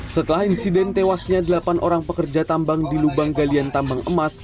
setelah insiden tewasnya delapan orang pekerja tambang di lubang galian tambang emas